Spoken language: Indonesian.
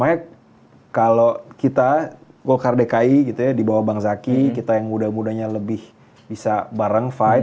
makanya kalau kita golkar dki gitu ya di bawah bang zaky kita yang muda mudanya lebih bisa bareng five